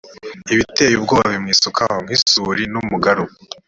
ibiteye ubwoba bimwisukaho nk isuri n umugaru